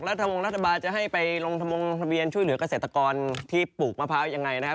วงรัฐบาลจะให้ไปลงทะมงทะเบียนช่วยเหลือกเกษตรกรที่ปลูกมะพร้าวยังไงนะครับ